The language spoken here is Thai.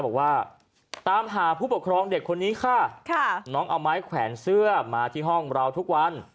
บอกว่าตามหาผู้ปกครองเด็กคนนี้ค่ะน้องเอาไม้แขวนเสื้อมาที่ห้องเราทุกวัน